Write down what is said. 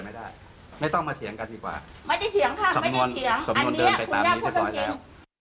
ไม่ได้เถียงค่ะไม่ได้เถียงอันนี้คุณย่าคุณทำเถียงสำนวนเดินไปตามนี้ได้บ่อยแล้ว